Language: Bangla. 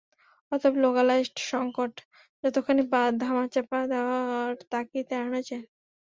অতএব, লোকালাইজড সংকটকে যতখানি সম্ভব ধামাচাপা দেওয়ার তাগিদ এড়ানো যায় না।